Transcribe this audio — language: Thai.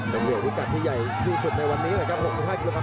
เป็นวิกัดที่ใหญ่ที่สุดในวันนี้ครับ๖๕กิโลกรัม